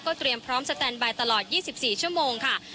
เตรียมพร้อมสแตนบายตลอด๒๔ชั่วโมงค่ะ